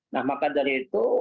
nah maka dari itu